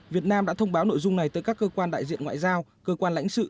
việt nam đã thông báo nội dung này tới các cơ quan đại diện ngoại giao cơ quan lãnh sự